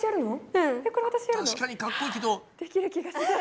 確かにかっこいいけど。